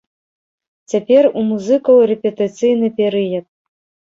Цяпер у музыкаў рэпетыцыйны перыяд.